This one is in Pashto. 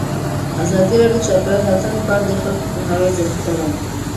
ازادي راډیو د چاپیریال ساتنه په اړه د خلکو پوهاوی زیات کړی.